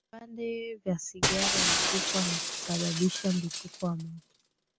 Vipande vya sigara hutupwa na kusababisha mlipuko wa moto